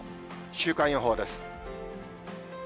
週間予報です。